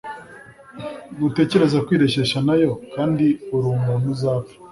ntutekereze kwireshyeshya na yo kandi uri umuntu uzapfa